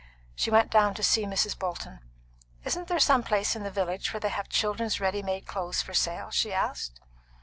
She went down to see Mrs. Bolton. "Isn't there some place in the village where they have children's ready made clothes for sale?" she asked.